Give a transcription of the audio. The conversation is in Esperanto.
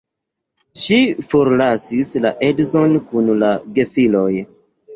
Ŝi forlasis la edzon kun la gefiloj.